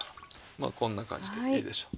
まあこんな感じでいいでしょう。